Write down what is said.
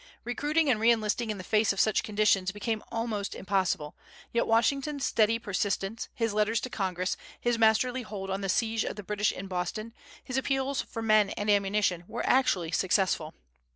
Recruiting and re enlisting in the face of such conditions became almost impossible; yet Washington's steady persistence, his letters to Congress, his masterly hold on the siege of the British in Boston, his appeals for men and ammunition, were actually successful.